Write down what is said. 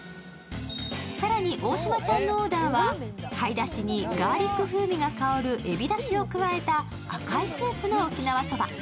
更に大島ちゃんのオーダーは貝出汁にガーリック風味が香る海老出汁を加えた赤いスープの沖縄そば。